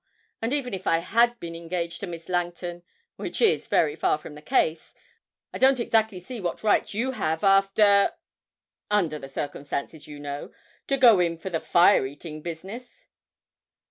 And even if I had been engaged to Miss Langton (which is very far from the case), I don't exactly see what right you have, after under the circumstances, you know to go in for the fire eating business.'